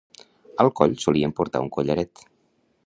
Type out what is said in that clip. Al coll solien portar un collaret.